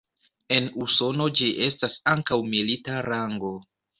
En Usono ĝi estas ankaŭ milita rango.